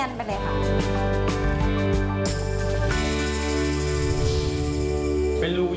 รับยู